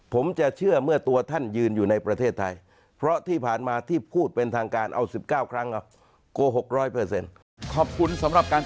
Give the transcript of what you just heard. ผมจะเชื่อเมื่อตัวท่านยืนอยู่ในประเทศไทยเพราะที่ผ่านมาที่พูดเป็นทางการเอา๑๙ครั้ง